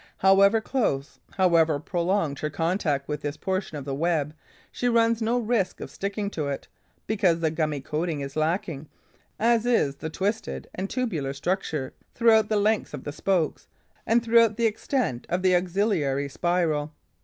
However close, however prolonged her contact with this portion of the web, she runs no risk of sticking to it, because the gummy coating is lacking, as is the twisted and tubular structure, throughout the length of the spokes and throughout the extent of the auxiliary spiral.